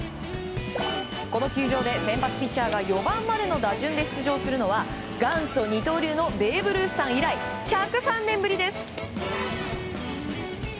この球場で先発ピッチャーが４番までの打順で出場するのは元祖二刀流のベーブ・ルースさん以来１０３年ぶりです。